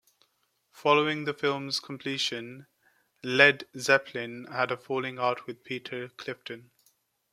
Following the film's completion, Led Zeppelin had a falling out with Peter Clifton.